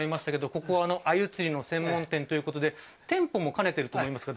ここはアユ釣りの専門店ということで店舗も兼ねていると思いますが。